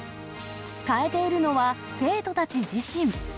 変えているのは生徒たち自身。